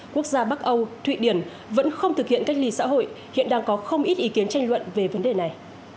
quốc gia bắc âu thụy điển vẫn không thực hiện cách ly xã hội hiện đang có không ít ý kiến tranh luận về vấn đề này